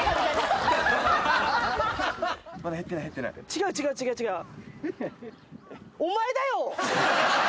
違う違う違う違う。